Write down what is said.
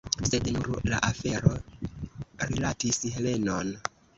Sed nun la afero rilatis Helenon.